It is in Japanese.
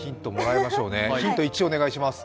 ヒント１、お願いします。